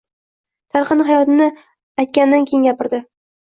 Talqini bayotni aytganidan keyin gapirdi.